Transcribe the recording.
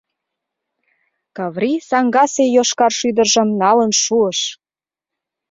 Каврий саҥгасе йошкар шӱдыржым налын шуыш.